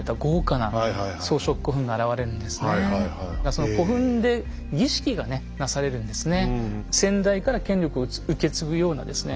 その古墳で儀式がねなされるんですね。